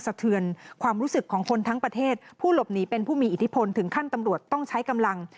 สะเทือนความรู้สึกของคนทั้งประเทศผู้หลบหนีเป็นผู้มีอิทธิพลถึงขั้นตำรวจต้องใช้กำลัง